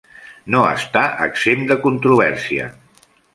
No està exempt de controvèrsia.